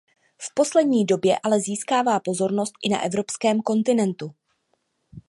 V poslední době ale získává pozornost i na evropském kontinentu.